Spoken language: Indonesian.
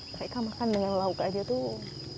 mereka makan dengan lauk aja tuh